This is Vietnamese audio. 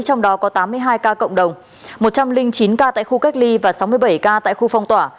trong đó có tám mươi hai ca cộng đồng một trăm linh chín ca tại khu cách ly và sáu mươi bảy ca tại khu phong tỏa